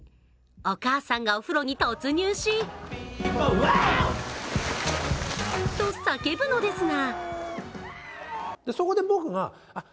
お母さんがお風呂に突入しと叫ぶのですが。